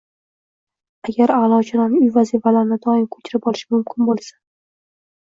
Agar aʼlochidan uy vazifalarini doim ko‘chirib olish mumkin bo‘lsa